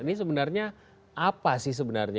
ini sebenarnya apa sih sebenarnya